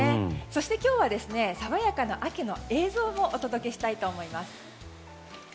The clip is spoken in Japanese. そして今日は爽やかな秋の映像もお届けしたいと思います。